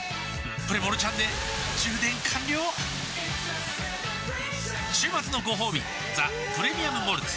プレモルちゃんで充電完了週末のごほうび「ザ・プレミアム・モルツ」